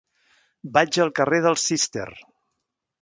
Vaig al carrer del Cister.